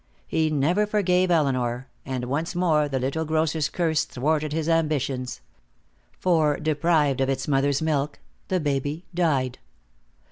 He never forgave Elinor, and once more the little grocer's curse thwarted his ambitions. For, deprived of its mother's milk, the baby died.